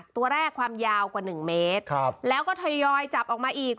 ตัวแรกความยาวกว่า๑เมตรแล้วก็ทยอยจับออกมาอีก